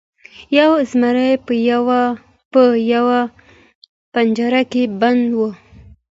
یو زمری په یوه پنجره کې بند و.